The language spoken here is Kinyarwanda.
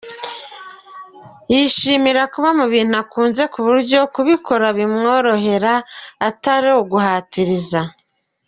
Yishimira kuba mu bintu akunze ku buryo kubikora bimworohera atari uguhatiriza.